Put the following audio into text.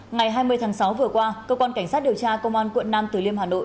ngày hai mươi tháng sáu vừa qua cơ quan cảnh sát điều tra công an quận nam từ liêm hà nội